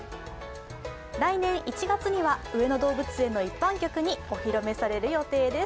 来年１月には、上野動物園の一般客にお披露目される予定です。